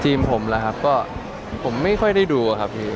ทีมผมล่ะครับก็ผมไม่ค่อยได้ดูหรอครับพี่